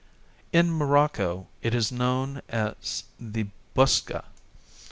In Morocco it is known as the buska.